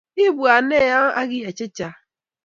Ibwat ne yo akiyay chechang